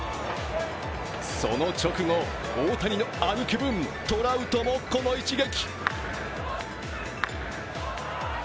その直後、大谷の兄貴分、トラウトもこの一撃。